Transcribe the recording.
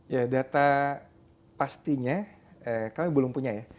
ya data pastinya kami belum punya ya